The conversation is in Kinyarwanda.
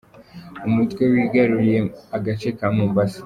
Umutwe wigaruriye agace ka Mombasa